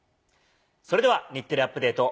それでは『日テレアップＤａｔｅ！』